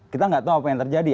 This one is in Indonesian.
kita nggak tahu apa yang terjadi